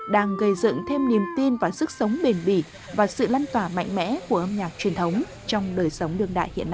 đang gây dựng thêm niềm tin và sức sống bền bỉ và sự lan tỏa mạnh mẽ của âm nhạc truyền thống trong đời sống đương đại hiện nay